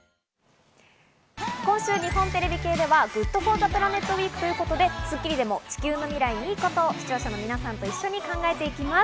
今週、日本テレビ系ではＧｏｏｄＦｏｒｔｈｅＰｌａｎｅｔウィークということで『スッキリ』でも地球の未来にいいことを視聴者の皆さんと一緒に考えていきます。